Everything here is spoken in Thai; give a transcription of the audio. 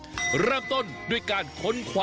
วันนี้พาลงใต้สุดไปดูวิธีของชาวเล่น